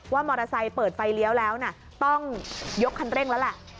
มอเตอร์ไซค์เปิดไฟเลี้ยวแล้วนะต้องยกคันเร่งแล้วแหละ